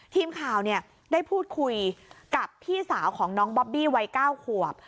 ทีมข่าวได้พูดคุยกับพี่สาวของน้องบอบบี้วัย๙ขวบ